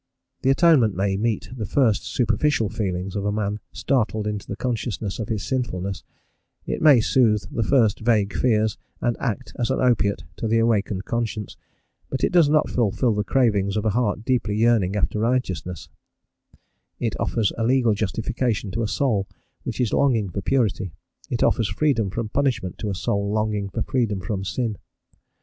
The Atonement may meet the first superficial feelings of a man startled into the consciousness of his sinfulness, it may soothe the first vague fears and act as an opiate to the awakened conscience; but it does not fulfil the cravings of a heart deeply yearning after righteousness; it offers a legal justification to a soul which is longing for purity, it offers freedom from punishment to a soul longing for freedom from sin.